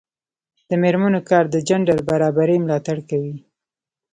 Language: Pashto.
د میرمنو کار د جنډر برابري ملاتړ کوي.